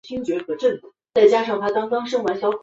圆形盘肠蚤为盘肠蚤科盘肠蚤属的动物。